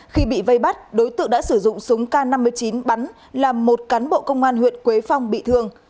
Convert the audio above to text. khi bị vây bắt đối tượng đã sử dụng súng k năm mươi chín bắn làm một cán bộ công an huyện quế phong bị thương